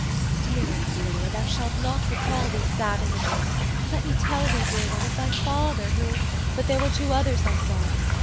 " Dear Ophelia, thou shalt not recall these sad images ; let me tell thee, dear one, of thy father, who "*' But there were two others, I saw.